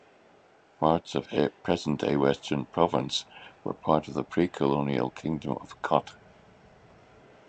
Parts of present-day Western Province were part of the pre-colonial Kingdom of Kotte.